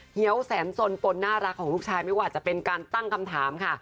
เหี้ยวแสนสนปนน่ารักของลูกชายไม่ว่าจะเป็นการตั้งคำถามค่ะ